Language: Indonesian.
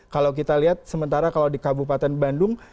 kalau kita lihat sementara kalau di kabupaten bandung